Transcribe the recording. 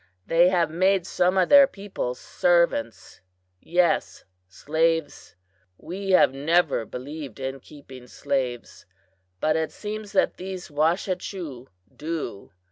They have made some of their people servants yes, slaves! We have never believed in keeping slaves, but it seems that these Washechu do!